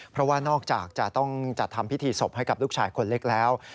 เพราะว่านอกจากจะต้องจัดทำพิธีศพให้กับลูกชายคนเล็กแล้ว